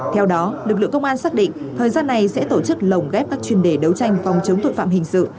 theo đó lực lượng công an xác định thời gian này sẽ tổ chức lồng ghép các chuyên đề đấu tranh phòng chống tội phạm hình sự